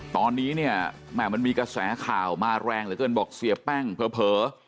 ตอนนี้เนี่ยแม่มันมีกระแสข่าวมาแรงเหลือเกินบอกเสียแป้งเผลอ